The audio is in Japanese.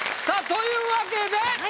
さぁというわけで。